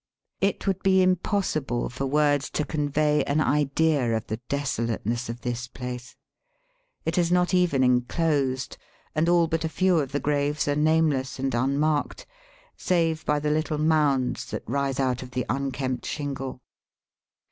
It would be impossible for words to convey an idea of the desolateness of this place. It is not even enclosed, and all but a few of the graves are nameless and unmarked,, save by the little mounds that rise out of the Digitized by VjOOQIC A BBITISH OUTPOST. 341 unkempt sliingle.